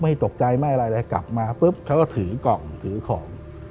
ไม่ตกใจไม่อะไรเลยกลับมาปุ๊บเขาก็ถือกล่องถือของ